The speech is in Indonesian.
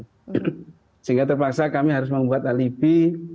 sehingga terpaksa kami harus membuat alibi